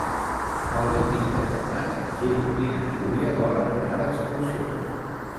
El vint-i-tres de maig en Gil i na Júlia volen anar d'excursió.